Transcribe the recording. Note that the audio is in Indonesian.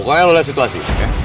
pokoknya lo lihat situasi